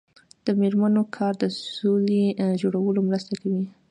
د میرمنو کار د سولې جوړولو مرسته کوي.